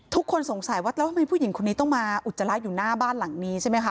ทุกคนสงสัยว่าแล้วทำไมผู้หญิงคนนี้ต้องมาอุจจาระอยู่หน้าบ้านหลังนี้ใช่ไหมคะ